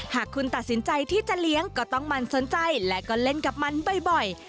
หากคุณตัดสินใจที่จะเลี้ยงก็ต้องมันสนใจและก็เล่นกับมันบ่อย